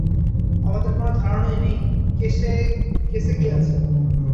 আমাদের কোনো ধারণাই নেই কেসে কী আছে।